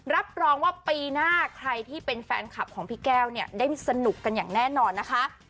รับรองว่าปีหน้าใครที่เป็นแฟนคลับของพี่แก้วเนี่ยได้สนุกกันอย่างแน่นอนนะคะ